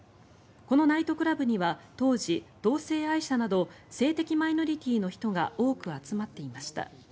このナイトクラブには当時、同性愛者など性的マイノリティーの人が多く集まっていました。